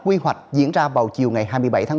quy hoạch diễn ra vào chiều hai mươi bảy tháng một mươi hai